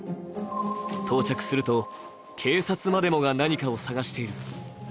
到着すると、警察までもが何かを探している。